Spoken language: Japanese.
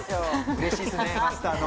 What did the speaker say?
うれしいですねマスターの。